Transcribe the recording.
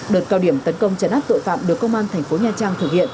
đợt cao điểm tấn công chấn áp tội phạm được công an tp nha trang thực hiện